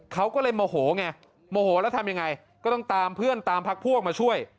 เขาก็เลยโมโหไงโมโหแล้วทำยังไงก็ต้องตามเพื่อนตามพักพวกมาช่วย